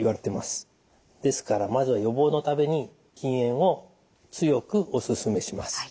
ですからまず予防のために禁煙を強くお勧めします。